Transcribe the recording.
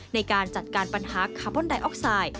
ในการจัดการปัญหาคาร์บอนไดออกไซด์